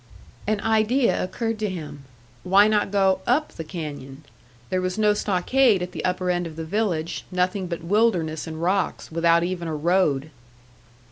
An idea occurred to him. Why not go up the canyon? There was no stockade at the upper end of the village nothing but wilderness and rocks, without even a road.